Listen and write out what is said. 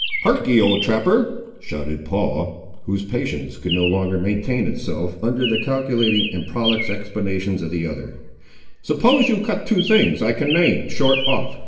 "Harkee, old trapper," shouted Paul, whose patience could no longer maintain itself under the calculating and prolix explanations of the other, "suppose you cut two things I can name, short off.